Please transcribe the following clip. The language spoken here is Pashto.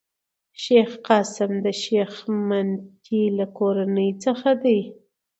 شېخ قاسم د شېخ مني له کورنۍ څخه دﺉ.